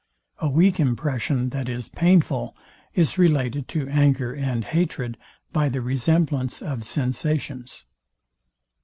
A weak impression, that is painful, is related to anger and hatred by the resemblance of sensations.